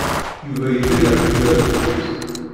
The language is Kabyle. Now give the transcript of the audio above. Yuba yella ireggel abduz.